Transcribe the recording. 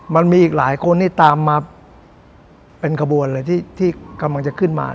มันมีอีกหลายคนที่ตามมาเป็นขบวนเลยที่กำลังจะขึ้นมา